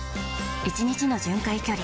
１日の巡回距離